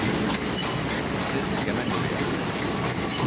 T sted skal man jo være